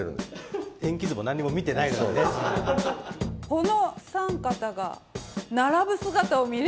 この三方が並ぶ姿を見れるとは。